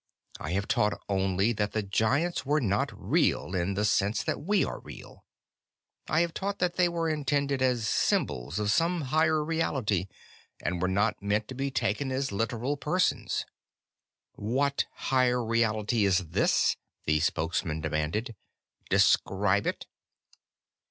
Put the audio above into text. I have taught only that the Giants were not real in the sense that we are real. I have taught that they were intended as symbols of some higher reality and were not meant to be taken as literal persons." "What higher reality is this?" the Spokesman demanded. "Describe it."